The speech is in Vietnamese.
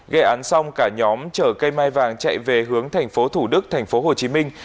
gây án xong cả nhóm chở cây mai vàng chạy về hướng thành phố thủ đức thành phố hồ chí minh